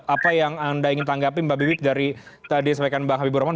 apa yang anda ingin tanggapi mbak bibip dari tadi yang sampaikan mbak habibur rahman